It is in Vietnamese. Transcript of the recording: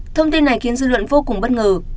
thông tin này khiến dư luận vô cùng bất ngờ